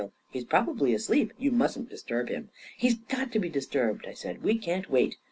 " He's probably asleep. You mustn't disturb him." " He's got to be disturbed," I said. " We can't wait."